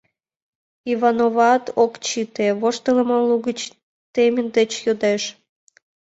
Ивановат ок чыте, воштылмо лугыч Темит деч йодеш: